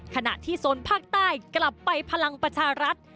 ขณะที่โซนภาคใต้กลับไปพลังประชารัฐ